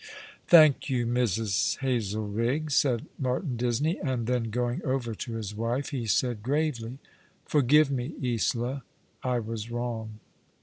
" Thank you, Mrs. Hazelrigg," said Martin Disney, and then going over to his wife, he said gravely, *' Forgive me, Isola. I was wrong."